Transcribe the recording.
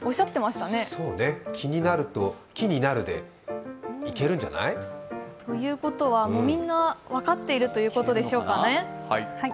そうね、気になると木になるで、いけるんじゃない？ということは、もうみんな分かっているということでしょうか。